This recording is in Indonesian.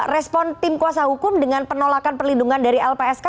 respon tim kuasa hukum dengan penolakan perlindungan dari lpsk